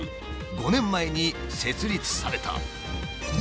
５年前に設立された。